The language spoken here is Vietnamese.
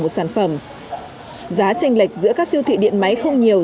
một sản phẩm giá tranh lệch giữa các siêu thị điện máy không nhiều